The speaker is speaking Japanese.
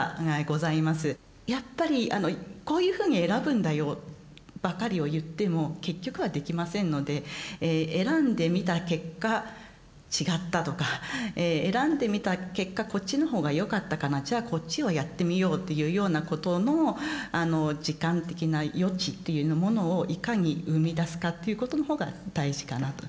やっぱりこういうふうに選ぶんだよばかりを言っても結局はできませんので選んでみた結果違ったとか選んでみた結果こっちのほうがよかったかなじゃあこっちをやってみようというようなことの時間的な余地というものをいかに生み出すかということのほうが大事かなと。